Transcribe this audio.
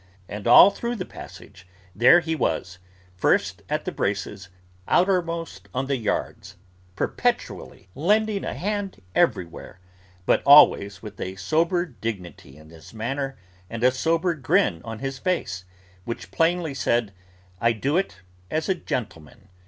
And all through the passage there he was, first at the braces, outermost on the yards, perpetually lending a hand everywhere, but always with a sober dignity in his manner, and a sober grin on his face, which plainly said, 'I do it as a gentleman.